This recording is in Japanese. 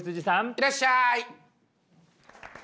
いらっしゃい。